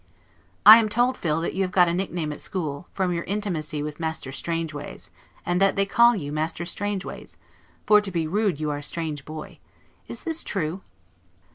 I am told, Phil, that you have got a nickname at school, from your intimacy with Master Strangeways; and that they call you Master Strangeways; for to be rude, you are a strange boy. Is this true?